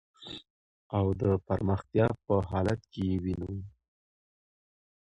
او د پرمختیا په حالت کی یې وېنو .